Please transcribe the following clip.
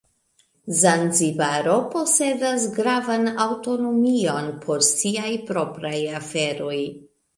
Zanzibaro posedas gravan aŭtonomion por siaj propraj aferoj.